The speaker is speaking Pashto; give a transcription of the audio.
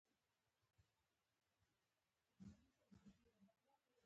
ازادي راډیو د کلتور پر وړاندې د حل لارې وړاندې کړي.